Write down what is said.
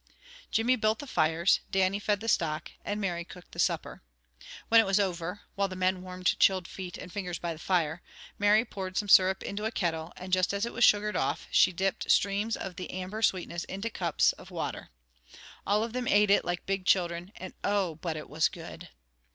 Jimmy built the fires, Dannie fed the stock, and Mary cooked the supper. When it was over, while the men warmed chilled feet and fingers by the fire, Mary poured some syrup into a kettle, and just as it "sugared off" she dipped streams of the amber sweetness into cups of water. All of them ate it like big children, and oh, but it was good!